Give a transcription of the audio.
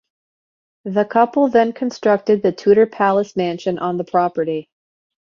The couple then constructed the Tudor Place mansion on the property.